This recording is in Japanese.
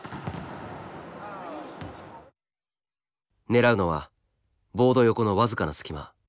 狙うのはボード横の僅かな隙間。